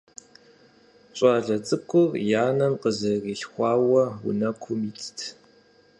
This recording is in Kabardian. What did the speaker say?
ЩӀалэ цӀыкӀур и анэм къызэрилъхуауэ унэкум итт.